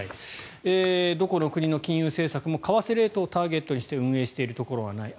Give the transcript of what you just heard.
どこの国の金融政策も為替レートをターゲットにして運営しているところはない